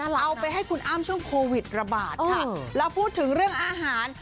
เอาไปให้คุณอ้ำช่วงโควิดระบาดค่ะแล้วพูดถึงเรื่องอาหาร